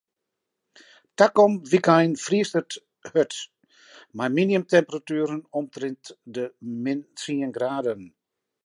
Takom wykein friest it hurd mei minimumtemperatueren omtrint de min tsien graden.